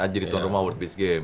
jadi tuan rumah world peace game